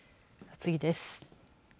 次です。